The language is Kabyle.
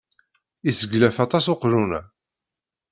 Iseglaf aṭas uqjun-a.